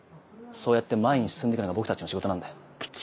そうやって前に進んで行くのが僕たちの仕事なんだよ。